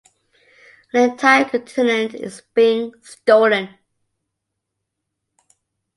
An entire continent is being stolen.